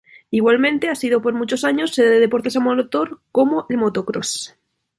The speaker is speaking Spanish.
Igualmente ha sido por muchos años sede de deportes a motor como el motocross.